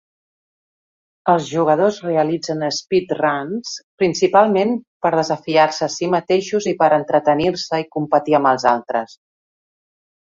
Els jugadors realitzen "speedruns" principalment per a desafiar-se a si mateixos i per a entretenir-se i competir amb els altres.